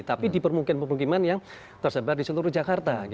tapi di permukiman pemukiman yang tersebar di seluruh jakarta